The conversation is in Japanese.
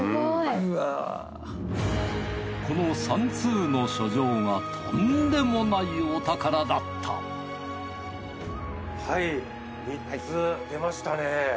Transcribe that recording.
この３通の書状がとんでもないお宝だったはい３つ出ましたね。